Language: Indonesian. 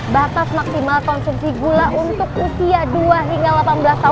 batas maksimal konsumsi gula untuk usia dua hingga delapan belas tahun